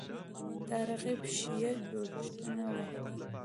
دا رقیب شیعه جوړښتونه وو